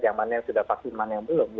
yang mana yang sudah vaksin mana yang belum